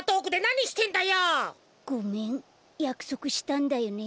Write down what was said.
ごめんやくそくしたんだよね。